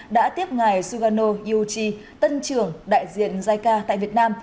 đã tiếp ngài sugano yuichi tân trưởng đại diện giai ca tại việt nam